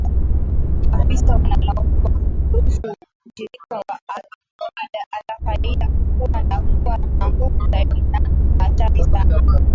Maafisa wanalaumu kwa kuruhusu ushirika wa al-Qaida kukua na kuwa na nguvu zaidi na hatari sana